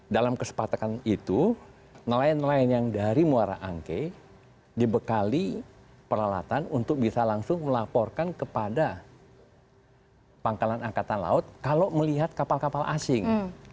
dalam kesepakatan itu nelayan nelayan yang dari muara angke dibekali peralatan untuk bisa langsung melaporkan kepada pangkalan angkatan laut kalau melihat kapal kapal asing